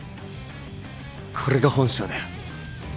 これが本性だよ。